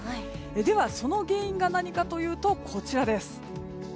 ではその原因が何かというとこちらです。